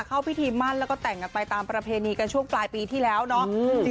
เข้าพิธีมั่นแล้วก็แต่งกันไปตามประเพณีกันช่วงปลายปีที่แล้วเนาะ